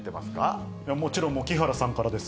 もちろん、木原さんからです。